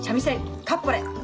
かっぽれ？